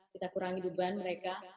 kita kurang hidupan mereka